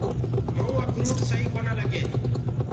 مؤُنٚ اکروٽ سئي ڪونآ لگينٚ۔